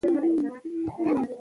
سلیمان غر د شنو سیمو یوه ښکلا ده.